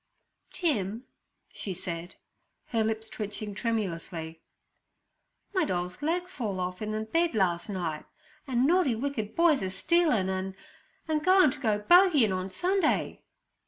'Jim' she said, her lips twitching tremulously, 'my doll's leg fall off in the bed last night, an' naughty, wicked boys is stealin' an'—an' going to go bogeyin' on Sunday.'